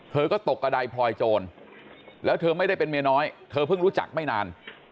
เธอก็ตกกระดายพลอยโจรแล้วเธอไม่ได้เป็นเมียน้อยเธอเพิ่งรู้จักไม่นาน